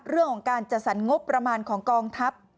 เรื่องของการจัดสรรงบประมาณของกองทัพ